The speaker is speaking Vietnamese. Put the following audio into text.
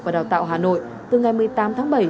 và đào tạo hà nội từ ngày một mươi tám tháng bảy